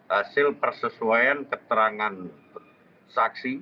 hasil persesuaian keterangan saksi